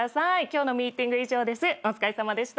今日のミーティング以上です。